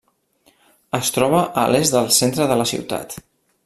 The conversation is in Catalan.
Es troba a l'est del centre de la ciutat.